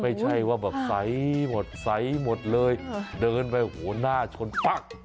ไม่ใช่ว่าแบบใสหมดใสหมดเลยเดินไปโอ้โหหน้าชนปั๊ก